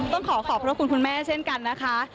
ต้องขอขอบพระคุณคุณแม่เช่นกันนะคะ